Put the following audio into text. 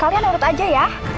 kalian urut aja ya